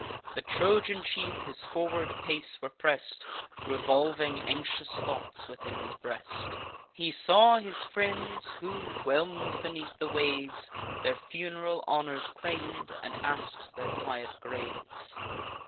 The Trojan chief his forward pace repress'd, Revolving anxious thoughts within his breast, He saw his friends, who, whelm'd beneath the waves, Their fun'ral honours claim'd, and ask'd their quiet graves.